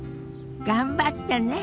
頑張ってね。